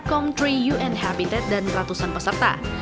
com tiga un habitat dan ratusan peserta